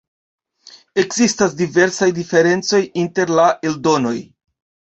Ekzistas diversaj diferencoj inter la eldonoj.